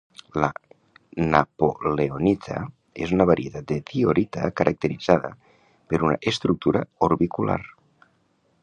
La napoleonita és una varietat de diorita caracteritzada per una estructura orbicular.